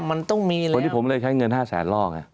มันต้องมีแล้วคนที่ผมเลยใช้เงิน๕แสนลอก